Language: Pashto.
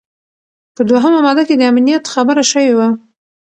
په دوهمه ماده کي د امنیت خبره شوې وه.